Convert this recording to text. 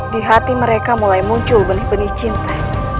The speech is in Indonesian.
di hati mereka mulai muncul benih benih cinta